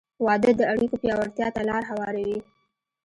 • واده د اړیکو پیاوړتیا ته لار هواروي.